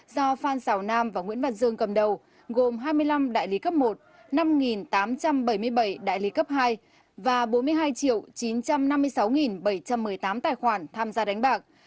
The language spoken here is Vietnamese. do phan xảo nam và nguyễn văn dương cầm đầu gồm hai mươi năm đại lý cấp một năm tám trăm bảy mươi bảy đại lý cấp hai và bốn mươi hai chín trăm năm mươi sáu bảy trăm một mươi tám tài khoản tham gia đánh bạc